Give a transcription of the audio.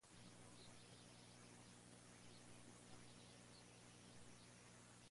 No hay que confundirlo con su tío Bonifacio de Saboya, Arzobispo de Canterbury.